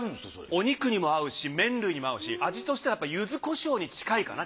お肉にも合うし麺類にも合うし味としてはゆずこしょうに近いかな。